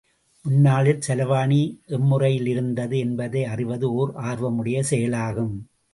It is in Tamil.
முன்னாளில் செலாவணி எம்முறையில் இருந்தது என்பதை அறிவது ஒர் ஆர்வமுடைய செயலாகும்.